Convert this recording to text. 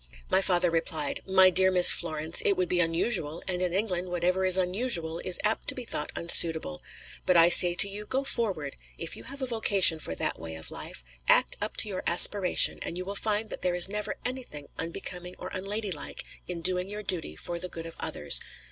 My father replied: "My dear Miss Florence, it would be unusual, and in England whatever is unusual is apt to be thought unsuitable; but I say to you, go forward, if you have a vocation for that way of life; act up to your aspiration, and you will find that there is never anything unbecoming or unladylike in doing your duty for the good of others.